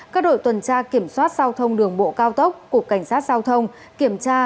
các đội tuần tra kiểm soát giao thông đường bộ cao tốc cục cảnh sát giao thông kiểm tra